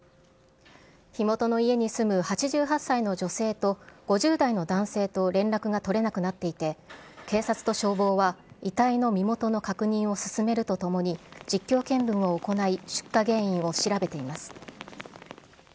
火元の家に住む８８歳の女性と、５０代の男性と連絡が取れなくなっていて、警察と消防は遺体の身元の確認を進めるとともに、実況見分を行い出火原因を調べています。